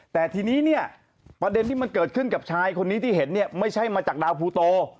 แต่ทีนี้เนี่ยประเด็นที่มันเกิดขึ้นกับชายคนนี้ที่เห็นเนี่ยไม่ใช่มาจากดาวภูโต